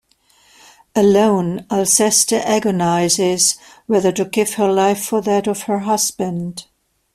Alone, Alceste agonizes whether to give her life for that of her husband.